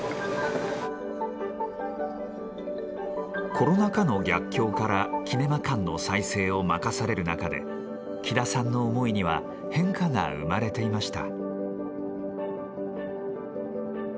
コロナ禍の逆境からキネマ館の再生を任される中で喜田さんの思いには変化が生まれていました。